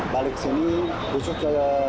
balik ke sini khusus ke